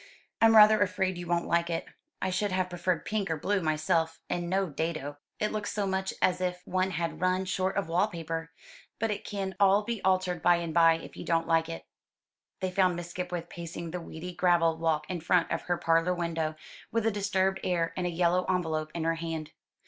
I'm rather afraid you won't like it; I should have preferred pink or blue myself, and no dado. It looks so much as if one had run short of wall paper. But it can all be altered by and by, if you don't like it." They found Miss Skipwith pacing the weedy gravel walk in front of her parlour window, with a disturbed air, and a yellow envelope in her hand.